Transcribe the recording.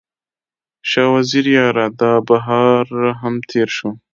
شاه وزیره یاره، دا بهار هم تیر شو